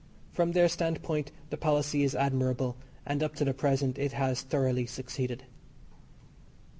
From their standpoint the policy is admirable, and up to the present it has thoroughly succeeded.